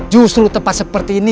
justru tempat seperti ini